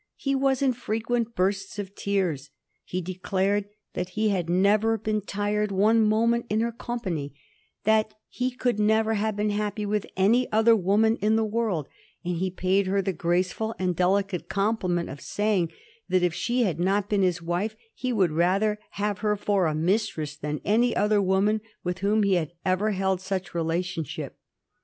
He was in frequent bursts of tears. He de clared that he had never been tired one moment in her company; that he could never have been happy with any other woman in the world ; and he paid her the graceful and delicate compliment of saying that if she had not been his wife he would rather have her for a mistress than any other woman with whom he had ever held such relation ship.